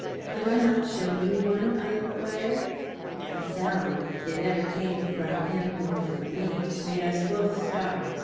"Have I not shown you one?" I inquired. A sound it never came from him or from me made us both start.